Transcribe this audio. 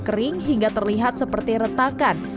sehingga terlihat seperti retakan